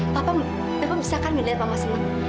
bapak bisa kan melihat mama senang